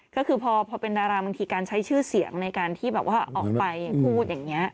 ก็คือพอเป็นดาราบางทีการใช้ชื่อเสียงในการที่แบบว่าออกไปพูดอย่างนี้